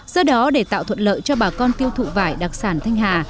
do đó để tạo thuận lợi cho bà con tiêu thụ vải đặc sản thanh hà